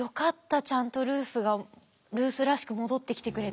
ちゃんとルースがルースらしく戻ってきてくれて。